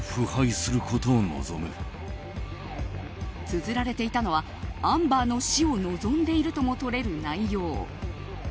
つづられていたのはアンバーの死を望んでいるとも取れる内容。